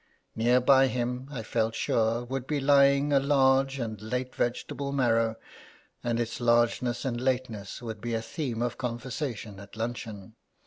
Near by him, I felt sure, would be lying a large and late vegetable marrow, and its largeness and lateness would be a theme of conversation at luncheon.